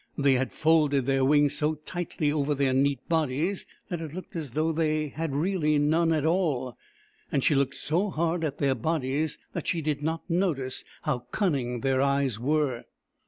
They had folded their wings so tightly over their neat bodies that it looked as though they had really none at all ; and she looked so hard at their bodies that she did not notice how cunning their eyes were.